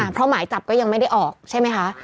เพราะหมายจับก็ยังไม่ได้ออกใช่ไหมคะ